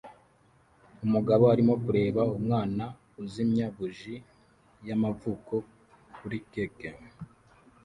Umugabo arimo kureba umwana uzimya buji y'amavuko kuri keke